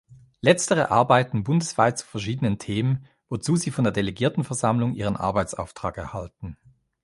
Letztere arbeiten bundesweit zu verschiedenen Themen, wozu sie von der Delegiertenversammlung ihren Arbeitsauftrag erhalten.